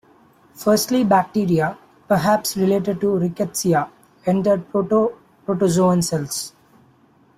Firstly, bacteria, perhaps related to "Rickettsia", entered proto-protozoan cells.